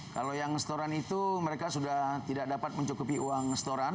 kalau yang setoran itu mereka sudah tidak dapat mencukupi uang setoran